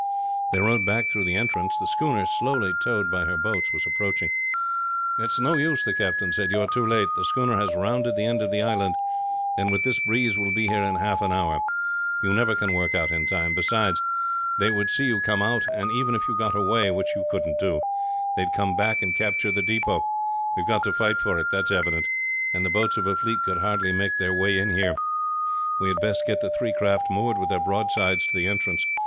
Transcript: They rowed back through the entrance. The schooner slowly towed by her boats was approaching. "It is no use," the captain said, "you are too late. The schooner has rounded the end of the island, and with this breeze will be here in half an hour. You never can work out in time. Beside, they would see you come out; and even if you got away, which you couldn't do, they would come back and capture the depot. We have got to fight for it, that's evident; and the boats of a fleet could hardly make their way in here. We had best get the three craft moored with their broadsides to the entrance.